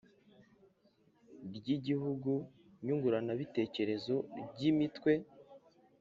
Ry igihugu nyunguranabitekerezo ry imitwe